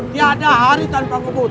tiada hari tanpa ngebut